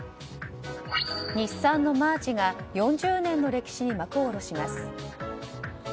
日産のマーチが４０年の歴史に幕を下ろします。